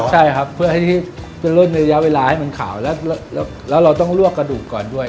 ใช่ครับเพื่อให้จะลดระยะเวลาให้มันขาวแล้วเราต้องลวกกระดูกก่อนด้วย